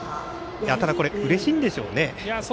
ただ、うれしいんでしょうね。